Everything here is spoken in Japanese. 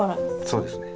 そうですね。